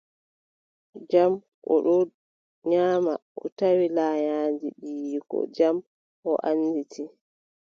Jam, o ɗon nyaama, mo tawi layaaji ɓiyiiko, jam mo annditi.